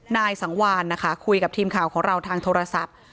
นายสังวานนะคะคุยกับทีมข่าวของเราทางโทรศัพท์